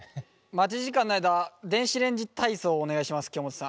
待ち時間の間電子レンジ体操をお願いします京本さん。